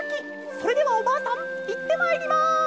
それではおばあさんいってまいります！」。